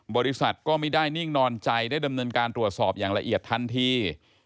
บริษัทก็ไม่ได้นิ่งนอนใจได้ดำเนินการตรวจสอบอย่างละเอียดทันที